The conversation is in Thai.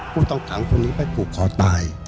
คู่ต้องถังคนนี้ไปกรุกคอตาย